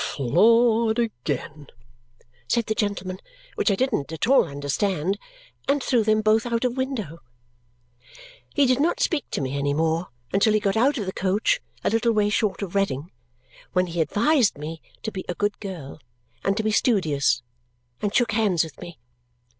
"Floored again!" said the gentleman, which I didn't at all understand, and threw them both out of window. He did not speak to me any more until he got out of the coach a little way short of Reading, when he advised me to be a good girl and to be studious, and shook hands with me.